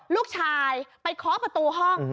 ลูกชายไปเคาะประตูห้อง